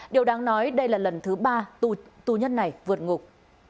điều đáng nói đây là lần thứ ba tù nhân này vượt ngục